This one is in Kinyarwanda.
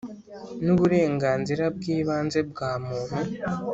N uburenganzira bw ibanze bwa muntu